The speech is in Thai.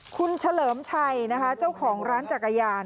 คุณเฉลิมชัยนะคะเจ้าของร้านจักรยาน